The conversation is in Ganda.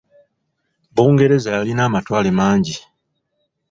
Bungereza yalina amatwale mangi.